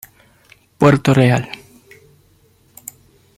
Puerto Real.